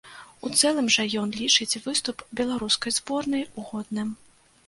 У цэлым жа ён лічыць выступ беларускай зборнай годным.